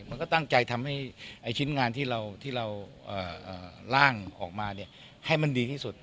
มันก็ตั้งใจทำให้ชิ้นงานที่เราร่างออกมาให้มันดีที่สุด